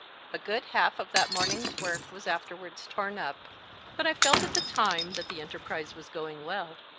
A good half of that morning s work was afterwards torn up ; but I felt at the time that the enterprise was going well.